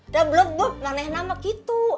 dablok blok maneh nama gitu